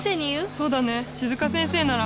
そうだね静香先生なら。